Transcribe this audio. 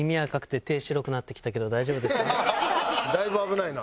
だいぶ危ないな。